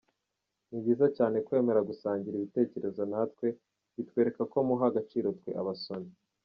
Ni byiza cyane kwemera gusangira ibitekerezo natwe, bitwereka ko muha agaciro twe abasomyi.